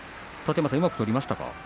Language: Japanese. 楯山さん、うまく取りましたか？